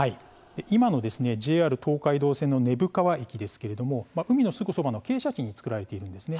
今のＪＲ東海道線の根府川駅ですけれども海のすぐそばの傾斜地に造られているんですね。